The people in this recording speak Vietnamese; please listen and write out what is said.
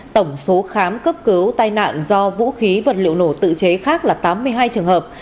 tổng số khám cấp cứu tai nạn do vũ khí vật liệu nổ tự chế khác là tám mươi hai trường hợp